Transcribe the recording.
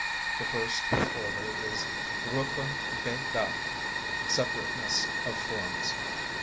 The first in order is Vrúpa bhédáh—"separateness of forms."